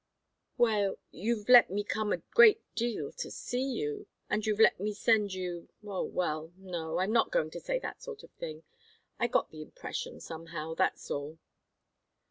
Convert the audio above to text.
"Well you've let me come a great deal to see you, and you've let me send you oh, well! No I'm not going to say that sort of thing. I got the impression, somehow that's all."